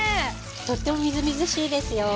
とってもみずみずしいですよ。